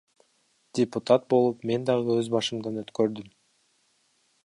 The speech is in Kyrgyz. Депутат болуп мен дагы өз башымдан өткөрдүм.